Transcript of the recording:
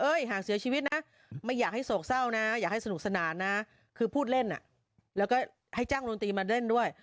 หากเสียชีวิตนะไม่อยากให้โศกเศร้านะอยากให้สนุกสนานนะคือพูดเล่นแล้วก็ให้จ้างดนตรีมาเล่นด้วย